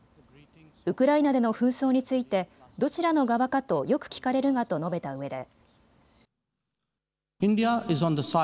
ウクライナでの紛争についてどちらの側かとよく聞かれるがと述べたうえで。